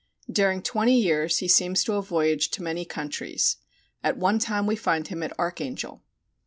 During twenty years he seems to have voyaged to many countries; at one time we find him at Archangel.